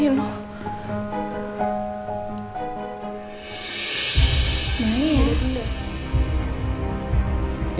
nih udah tunduk